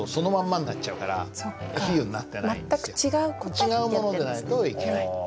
違うものでないといけない。